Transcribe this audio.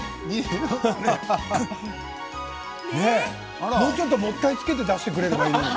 あらもうちょっともったいつけて出してくれればいいのに。